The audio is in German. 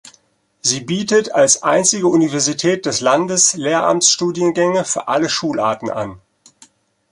Sie bietet als einzige Universität des Landes Lehramtsstudiengänge für alle Schularten an.